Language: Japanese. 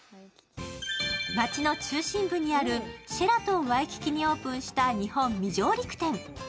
街の中心部にあるシェラトンワイキキにオープンした日本未上陸店。